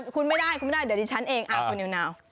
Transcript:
คุณไม่ได้เดี๋ยวดิฉันเองคุณนิวนาว